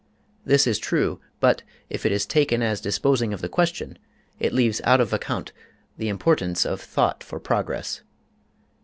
This is true; but, if it is taken as disposing of the question, it leaves out of account the importance of thought for progress.